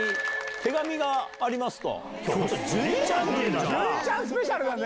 手紙がありますと。